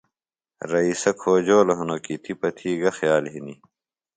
رئیسہ کھوجولوۡ ہِنوۡ کی تِپہ تھی گہ خیال ہِنیۡ